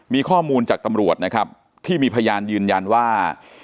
มีข้อมูลจากตำรวจนะครับที่มีพยานยืนยันว่า